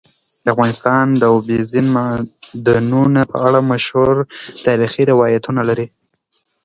افغانستان د اوبزین معدنونه په اړه مشهور تاریخی روایتونه لري.